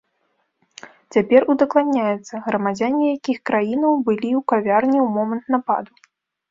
Цяпер удакладняецца, грамадзяне якіх краінаў былі ў кавярні ў момант нападу.